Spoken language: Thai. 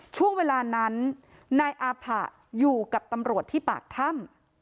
ช่วงเวลานั้นนายอาผะอยู่กับตำรวจที่ปากถ้ำ